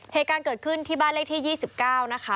เหตุการณ์เกิดขึ้นที่บ้านเลขที่๒๙นะคะ